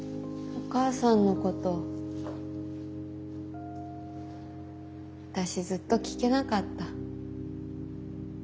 お母さんのこと私ずっと聞けなかった。